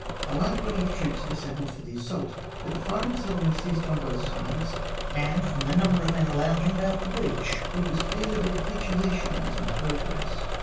A large body of troops had assembled for the assault, but the firing suddenly ceased on both sides, and from the number of men lounging about the breach, it was clear that a capitulation was in progress.